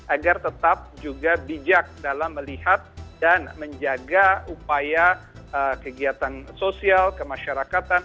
agar tetap juga bijak dalam melihat dan menjaga upaya kegiatan sosial kemasyarakatan